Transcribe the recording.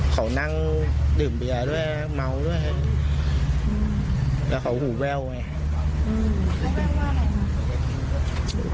เขานั่งดื่มเบียด้วยเม้าด้วยแล้วเขาหูแววไงอืมเขาแววว่าไหนครับ